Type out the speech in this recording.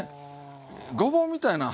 ごぼうみたいなん